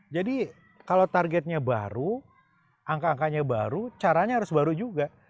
jadi kalau targetnya baru angka angkanya baru caranya harus baru juga